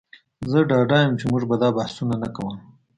زه ډاډه یم چې موږ به دا بحثونه نه کول